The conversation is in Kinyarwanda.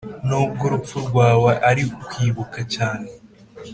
nubwo urupfu rwawe ari kwibuka cyane,